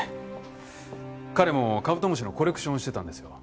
彼もカブトムシのコレクションをしてたんですよ。